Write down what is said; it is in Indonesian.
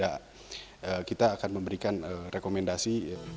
kita akan memberikan rekomendasi